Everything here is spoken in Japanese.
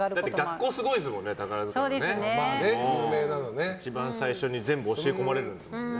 学校すごいですもんね、宝塚は。一番最初に全部教え込まれるんですもんね。